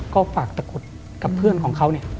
ก็ฝากตะกรุดกับเพื่อนของเขา